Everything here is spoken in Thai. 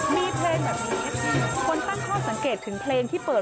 มีเพลงแบบนี้คนตั้งข้อสังเกตถึงเพลงที่เปิด